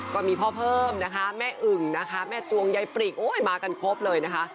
ก็มีพ่อเพิ่มนะคะแม่อึ่งนะคะแม่จวงยายปริกโอ้ยมากันครบเลยนะคะ